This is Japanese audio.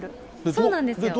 そうなんですよ。